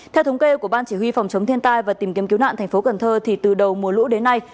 theo thống kê của ban chỉ huy phòng chống thiên tai và tìm kiếm cứu nạn thành phố cần thơ thì từ đầu mùa lũ đến nay